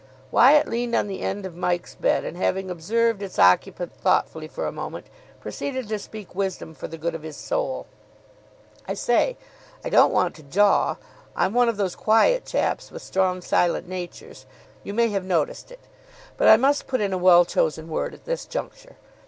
Wyatt leaned on the end of Mike's bed, and, having observed its occupant thoughtfully for a moment, proceeded to speak wisdom for the good of his soul. "I say, I don't want to jaw I'm one of those quiet chaps with strong, silent natures; you may have noticed it but I must put in a well chosen word at this juncture.